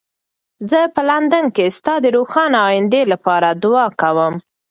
زه په لندن کې ستا د روښانه ایندې لپاره دعا کوم.